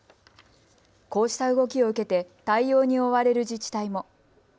こうした動きを受けて対応に追われる自治体も。